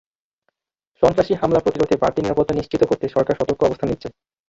সন্ত্রাসী হামলা প্রতিরোধে বাড়তি নিরাপত্তা নিশ্চিত করতে সরকার সতর্ক অবস্থান নিচ্ছে।